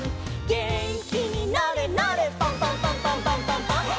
「げんきになれなれパンパンパンパンパンパンパン！！」